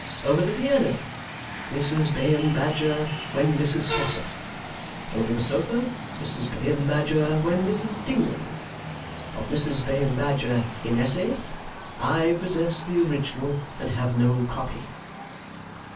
Over the piano, Mrs. Bayham Badger when Mrs. Swosser. Over the sofa, Mrs. Bayham Badger when Mrs. Dingo. Of Mrs. Bayham Badger IN ESSE, I possess the original and have no copy."